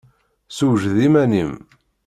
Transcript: Sewjed iman-im.